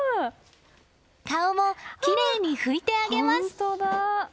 顔もきれいに拭いてあげます。